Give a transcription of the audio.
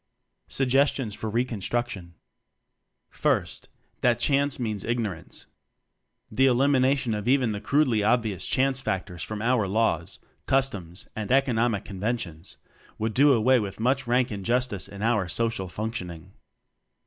Suggestions for Reconstruction. First: That "chance" means ignor ance. The elimination of even the crudely obvious "chance" factors from our laws, customs and economic conven tions, would do away with much rank injustice in our social functioning.